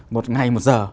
một ngày một giờ